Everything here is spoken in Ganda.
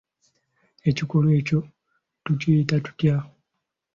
Ekikolwa ekyo tukiyita tutya?